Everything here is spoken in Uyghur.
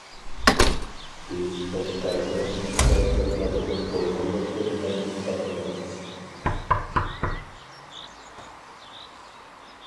بىز بەش پەرزەنت مۇشۇنداق بىر دادىمىز بولغانلىقتىن مەڭگۈ پەخىرلىنىمىز.